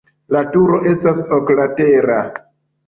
La turo estas oklatera.